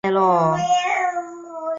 许多政府机关都座落在此区。